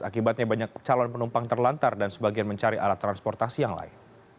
akibatnya banyak calon penumpang terlantar dan sebagian mencari alat transportasi yang lain